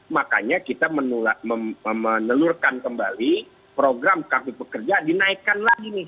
makanya kita menelurkan kembali program kartu pekerja dinaikkan lagi nih